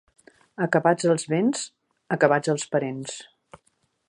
Acabats els béns, acabats els parents.